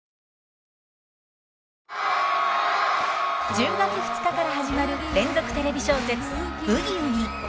１０月２日から始まる連続テレビ小説「ブギウギ」。